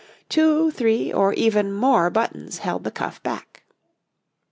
Two, three, or even more buttons held the cuff back.